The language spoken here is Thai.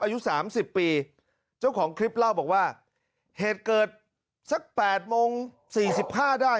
อายุสามสิบปีเจ้าของคลิปเล่าบอกว่าเหตุเกิดสักแปดโมงสี่สิบห้าได้